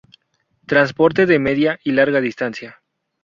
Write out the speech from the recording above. Transporte de media y larga distancia.